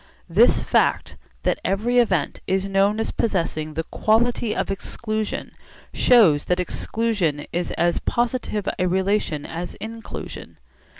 This fact, that every event is known as possessing the quality of exclusion, shows that exclusion is as positive a relation as inclusion.